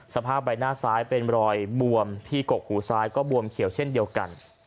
สภาพใบหน้าซ้ายเป็นรอยบวมที่กกหูซ้ายก็บวมเขียวเช่นเดียวกัน